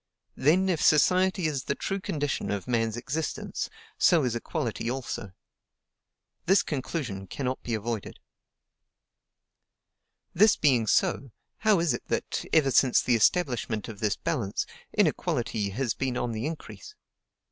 Then, if society is the true condition of man's existence, so is equality also. This conclusion cannot be avoided. This being so, how is it that, ever since the establishment of this balance, inequality has been on the increase?